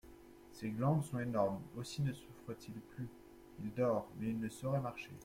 Ses glandes sont énormes, aussi ne souffre-t-il plus ; il dort, mais il ne saurait marcher.